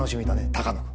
鷹野君。